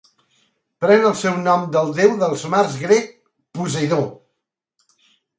Pren el seu nom del Déu dels mars grec, Poseidon.